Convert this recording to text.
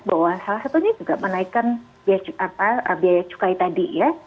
bahwa salah satunya juga menaikkan biaya cukai tadi ya